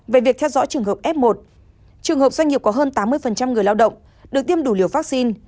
về việc theo dõi trường hợp f một trường hợp doanh nghiệp có hơn tám mươi người lao động được tiêm đủ liều vaccine